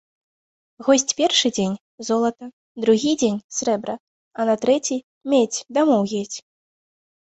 Госць першы дзень ‒ золата, другі дзень ‒ срэбра, а на трэці ‒ медзь, дамоў едзь!